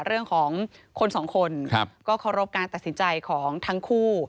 เรื่องของคนสองคนก็เคารพการตัดสินใจของทั้งคู่